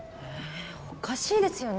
おかしいですよね？